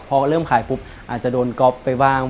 พอเริ่มขายปุ๊บอาจจะโดนก๊อฟไปบ้าง